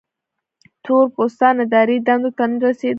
تور پوستان اداري دندو ته نه رسېدل.